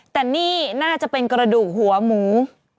แต่นี่น่าจะเป็นกระดูกหัวหมู